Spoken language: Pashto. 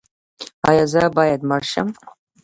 ایا زه باید مړ شم؟